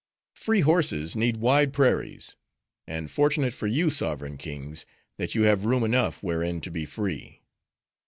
Free horses need wide prairies; and fortunate for you, sovereign kings! that you have room enough, wherein to be free.